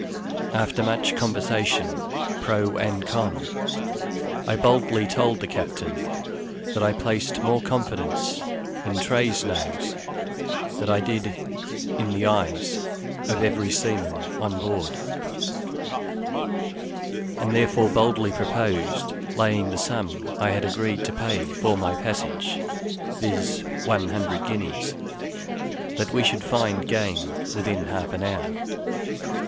After much conversation pro and con, I boldly told the captain that I placed more confidence in Tray's nose than I did in the eyes of every seaman on board; and therefore boldly proposed laying the sum I had agreed to pay for my passage (viz., one hundred guineas) that we should find game within half an hour.